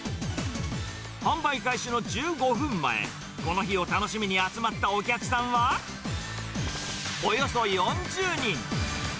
販売開始の１５分前、この日を楽しみに集まったお客さんは、およそ４０人。